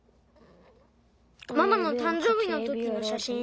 ママのたんじょうびのときのしゃしん。